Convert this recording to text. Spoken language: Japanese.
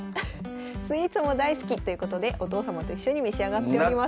スイーツも大好きということでお父様と一緒に召し上がっております。